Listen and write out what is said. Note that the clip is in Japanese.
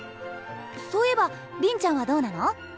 そういえばりんちゃんはどうなの？